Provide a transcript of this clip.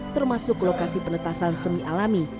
termasuk lokasi penetasan semi alami